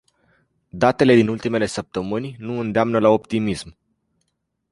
Datele din ultimele săptămâni nu îndeamnă la optimism.